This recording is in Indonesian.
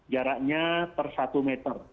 jaraknya per satu meter